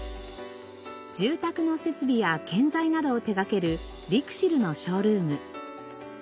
住宅の設備や建材などを手掛けるＬＩＸＩＬのショールーム。